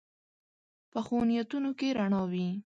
پخو نیتونو کې رڼا وي